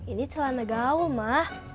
ini celana gaul ma